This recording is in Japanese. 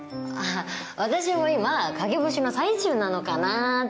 私も今陰干しの最中なのかなぁって。